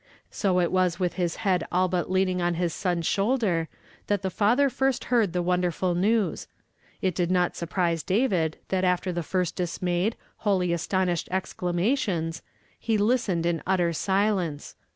So it was with his heail all but 1 ing on his son's shoulder that the father first heard ean the wonderful news. It did not su ri)rise David that after the lirst dismayed, wholly astonished exel tions, he listened in utter sil ama in th ence.